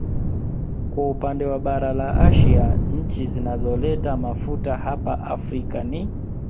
Kwa upande wa bara la Asia nchi zinazoleta mafuta hapa Afrika ni